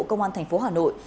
công an thành phố hà nội